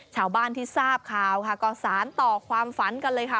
ชาวบ้านที่ทราบข่าวค่ะก็สารต่อความฝันกันเลยค่ะ